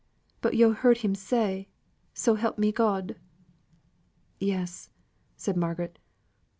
But yo' heard him say, 'So help me God!'" "Yes!" said Margaret.